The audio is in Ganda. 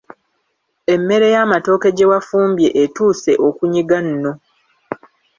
Emmere y'amatooke gye wafumbye etuuse okunyiga nno.